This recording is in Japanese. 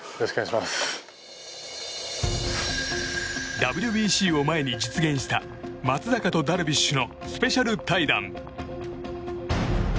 ＷＢＣを前に実現した松坂とダルビッシュのスペシャル対談。